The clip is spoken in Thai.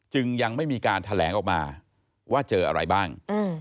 ยังไม่มีการแถลงออกมาว่าเจออะไรบ้าง